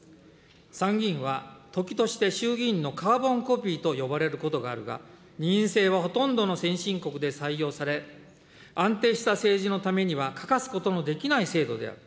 参議院は時として衆議院のカーボンコピーと呼ばれることがあるが、二院制はほとんどの先進国で採用され、安定した政治のためには欠かすことのできない制度である。